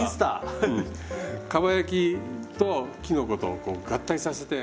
かば焼きときのことこう合体させて。